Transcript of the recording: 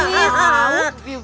begitu dia menyanyi tau